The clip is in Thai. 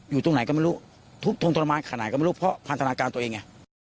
อยู่ตรงไหนก็ไม่รู้ทุบทงทรมานขนาดไหนก็ไม่รู้เพราะพันธนาการตัวเองไง